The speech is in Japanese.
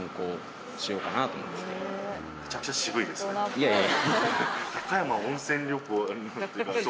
いやいや。